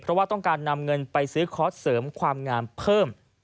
เพราะว่าต้องการนำเงินไปซื้อคอร์สเสริมความงามเพิ่ม